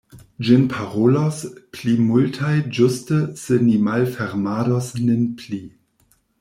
Ĝin parolos pli multaj ĝuste se ni malfermados nin pli!